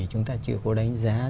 chúng ta chưa có đánh giá